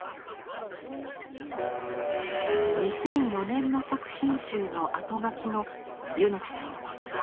２００４年の作品集のあとがきの柚木さんの言葉。